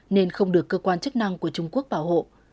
nên không được cơ quan chức năng của trung quốc bảo hộ